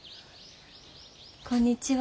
こんにちは。